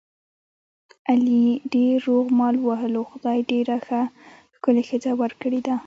علي ډېر روغ مال ووهلو، خدای ډېره ښه ښکلې ښځه ور کړې ده.